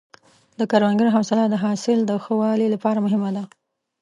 د کروندګر حوصله د حاصل د ښه والي لپاره مهمه ده.